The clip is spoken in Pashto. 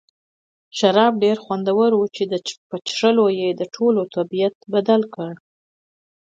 شراب ډېر خوندور وو چې په څښلو یې د ټولو طبیعت بدل کړ.